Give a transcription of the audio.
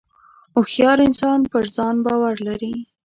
• هوښیار انسان پر ځان باور لري.